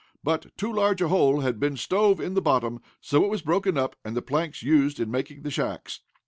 But too large a hole had been stove in the bottom, so it was broken up, and the planks used in making the shacks.